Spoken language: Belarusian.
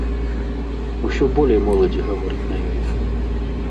Усё болей моладзі гаворыць на ёй.